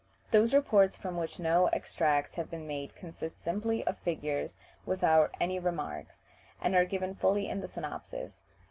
Those reports from which no extracts have been made consist simply of figures without any remarks, and are given fully in the synopsis.